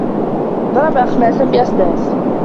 ضرب أخماسا بأسداس